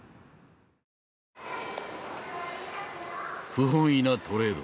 不本意なトレード。